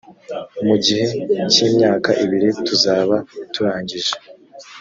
mu gihe cy imyaka ibiri tuzaba turangije